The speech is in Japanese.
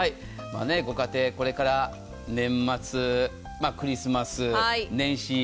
ご家庭、これから年末クリスマス、年始